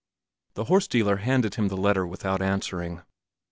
The horse dealer handed him the letter without answering.